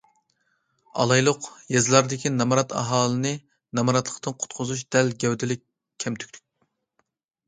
ئالايلۇق، يېزىلاردىكى نامرات ئاھالىنى نامراتلىقتىن قۇتقۇزۇش دەل گەۋدىلىك كەمتۈكلۈك.